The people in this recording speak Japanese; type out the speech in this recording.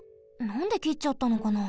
なんできっちゃったのかな。